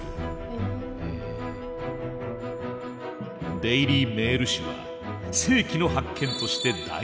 「デイリー・メール」紙は世紀の発見として大々的に報じた。